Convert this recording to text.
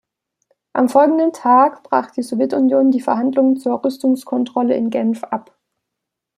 Am folgenden Tag brach die Sowjetunion die Verhandlungen zur Rüstungskontrolle in Genf ab.